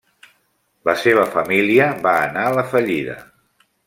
La seva família va anar a la fallida.